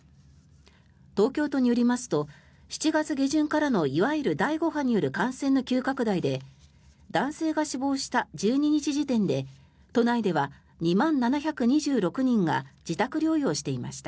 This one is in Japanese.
東京都によりますと７月下旬からのいわゆる第５波による感染の急拡大で男性が死亡した１２日時点で都内では２万７２６人が自宅療養していました。